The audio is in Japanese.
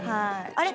あれ？